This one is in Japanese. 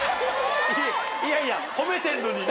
いやいや褒めてんのにね。